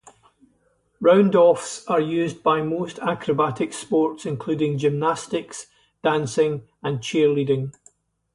Roundoffs are used by most acrobatic sports, including gymnastics, dancing, and cheerleading.